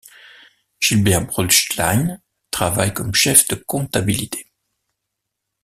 Gilbert Brustlein travaille comme chef de comptabilité.